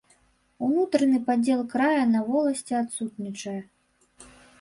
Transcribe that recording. Унутраны падзел края на воласці адсутнічае.